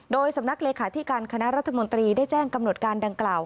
โดยสำนักเลขาธิการคณะรัฐมนตรีได้แจ้งกำหนดการดังกล่าว